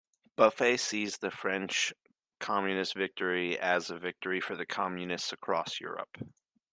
Buffet sees this French Communist victory as a victory for communists across Europe.